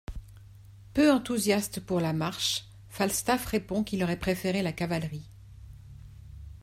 Peu enthousiaste pour la marche, Falstaff répond qu'il aurait préféré la cavalerie.